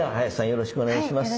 よろしくお願いします。